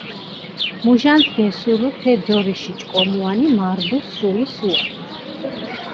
მუჟანს გესურუ თე ძორიში ჭკომუანი, მარდუ სრული სუაქ.